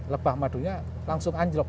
lebah madunya langsung anjlok